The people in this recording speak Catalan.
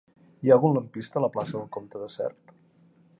Hi ha algun lampista a la plaça del Comte de Sert?